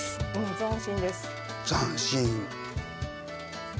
斬新。